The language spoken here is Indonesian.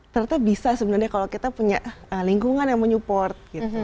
ternyata bisa sebenarnya kalau kita punya lingkungan yang menyupport gitu